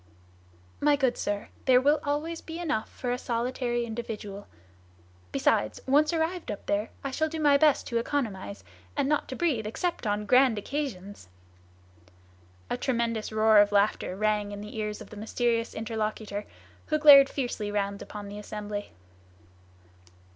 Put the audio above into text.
"My good sir, there will always be enough for a solitary individual; besides, once arrived up there, I shall do my best to economize, and not to breathe except on grand occasions!" A tremendous roar of laughter rang in the ears of the mysterious interlocutor, who glared fiercely round upon the assembly.